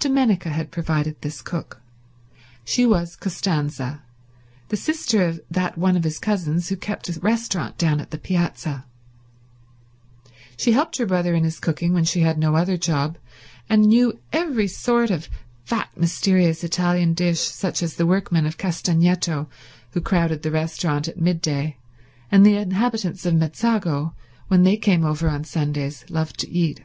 Dominica had provided this cook. She was Costanza, the sister of that one of his cousins who kept a restaurant down on the piazza. She helped her brother in his cooking when she had no other job, and knew every sort of fat, mysterious Italian dish such as the workmen of Castagneto, who crowded the restaurant at midday, and the inhabitants of Mezzago when they came over on Sundays, loved to eat.